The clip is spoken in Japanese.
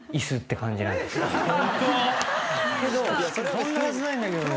そんなはずないんだけどね。